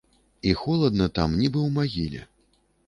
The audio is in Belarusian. І холадна там, нібы ў магіле.